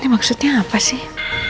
maksudnya apa sih